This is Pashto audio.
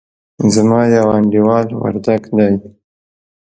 زما يو انډيوال وردګ دئ.